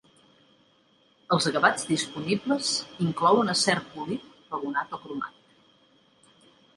Els acabats disponibles inclouen acer polit pavonat o cromat.